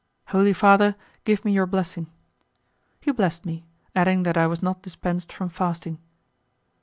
"Holy Father, give me your blessing." He blessed me, adding that I was not dispensed from fasting.